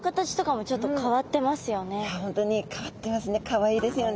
本当に変わってますね。